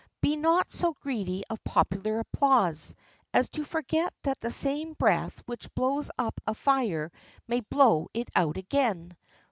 Be not so greedy of popular applause as to forget that the same breath which blows up a fire may blow it out again.